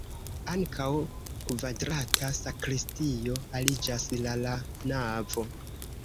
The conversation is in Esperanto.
Ankaŭ kvadrata sakristio aliĝas la la navo.